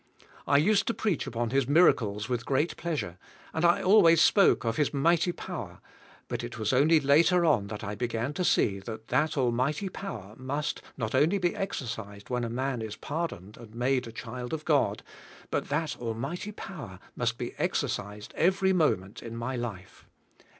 I used to preach upon His mir acles with great pleasure, and I always spoke of His mighty power, but it was only later on that I began to see that that that almighty power must, not only be exercised when a man is pardoned and made a child of God, but that almighty power must be exercised every moment in my life.